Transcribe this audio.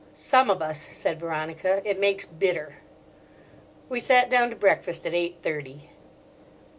"Some of us," said Veronica, "it makes bitter." We sat down to breakfast at eight thirty.